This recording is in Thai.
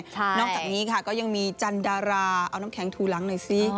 นอกจากนี้ค่ะก็ยังมีจันดาราเอาน้ำแข็งถูหลังหน่อยสิ